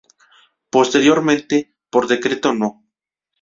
Posteriormente, por Decreto No.